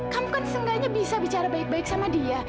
kamu kan seenggaknya bisa bicara baik baik sama dia